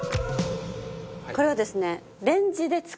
これはですね。